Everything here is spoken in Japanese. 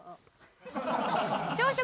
朝食